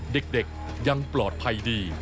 เด็กยังปลอดภัยดี